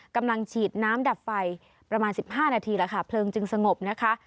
กำลังฉีดน้ำดับไฟประมาณ๑๕นาทีแล้วค่ะเพลิงจึงสงบนะคะ